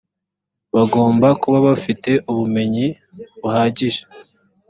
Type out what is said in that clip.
bagomba kuba bafite ubumenyi buhagije